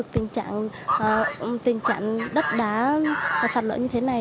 tình trạng đất đá xạc lỡ như thế này